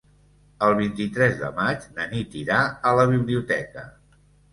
El vint-i-tres de maig na Nit irà a la biblioteca.